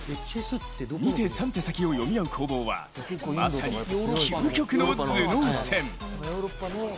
２手３手先を読み合う攻防はまさに究極の頭脳戦。